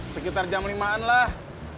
sekitar jam limaan lah